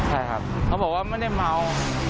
ใช่ครับเขาบอกว่าไม่ได้เมา